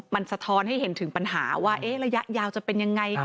มันสะท้อนให้เห็นถึงปัญหาว่าระยะยาวจะเป็นยังไง